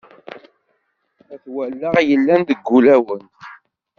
At wallaɣ yellan deg ul-awen.